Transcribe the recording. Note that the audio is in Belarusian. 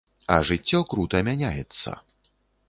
А жыццё крута мяняецца.